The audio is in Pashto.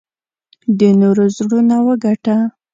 د نورو زړونه وګټه .